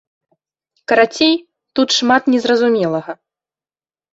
Карацей, тут шмат незразумелага.